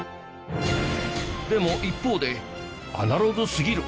でも一方でアナログすぎる！